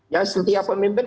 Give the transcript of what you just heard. ya setiap pemimpin